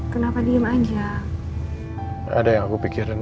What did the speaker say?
kenapa diem aja ada yang kupikirkan